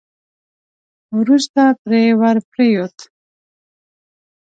وروسته پرې ور پرېووت.